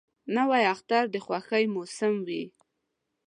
نوی اختر د خوښۍ موسم وي